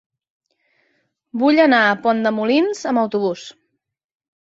Vull anar a Pont de Molins amb autobús.